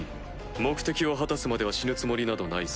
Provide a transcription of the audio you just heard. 目的を果たすまでは死ぬつもりなどないさ。